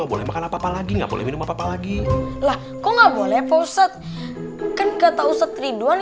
boleh makan apa lagi nggak boleh minum apa lagi lah kok nggak boleh poset kan kata ustadz ridwan